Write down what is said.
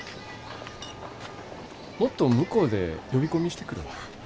もっと向こうで呼び込みしてくるわ。